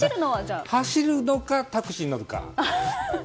走るか、タクシーに乗るか。